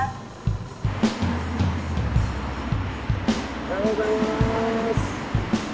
おはようございます。